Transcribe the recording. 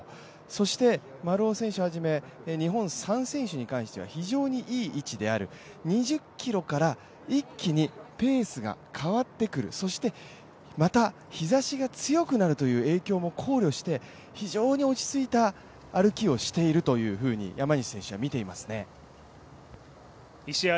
そして丸尾選手をはじめ日本３選手に関しては非常にいい位置である２０ｋｍから一気にペースが変わってくるそしてまた日ざしが強くなるという影響も考慮して非常に落ち着いた歩きをしているというふうに山西選手は見ていますね。